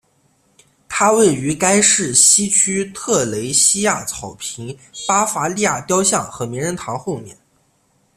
它位于该市西区特蕾西娅草坪巴伐利亚雕像和名人堂后面。